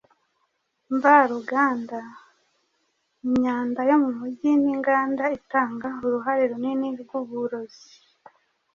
mvaruganda. Imyanda yo mu mijyi n’inganda itanga uruhare runini rwuburozi.